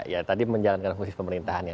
ya tadi menjalankan fungsi pemerintahannya